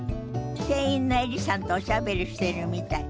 店員のエリさんとおしゃべりしてるみたい。